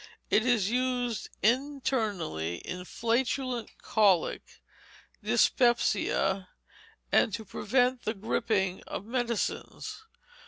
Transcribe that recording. It is used internally in flatulent colic, dyspepsia, and to prevent the griping of medicines.